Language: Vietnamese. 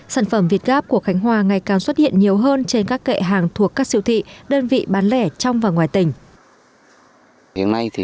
sản phẩm việt gáp của khánh hòa ngày càng xuất hiện nhiều hơn trên các kệ hàng thuộc các siêu thị đơn vị bán lẻ trong và ngoài tỉnh